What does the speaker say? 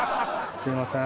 すみません。